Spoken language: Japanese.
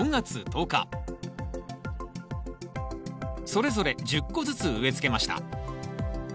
それぞれ１０個ずつ植えつけました。